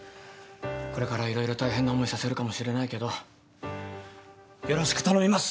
これから色々大変な思いさせるかもしれないけどよろしく頼みます。